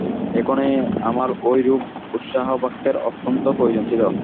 এখনই আমার ঐরূপ উৎসাহবাক্যের অত্যন্ত প্রয়োজন ছিল।